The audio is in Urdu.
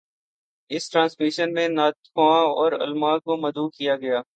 اس ٹرانسمیشن میں نعت خواں اور علمأ کو مدعو کیا گیا